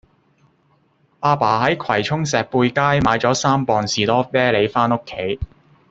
亞爸喺葵涌石貝街買左三磅士多啤梨返屋企